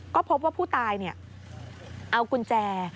ก็พบว่าผู้ตายเอากุญแจ